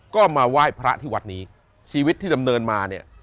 ก็มาไหว้พระที่วัดนี้ชีวิตที่ดำเนินมาเนี่ย